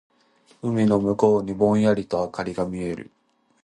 海の向こうにぼんやりと灯りが見える。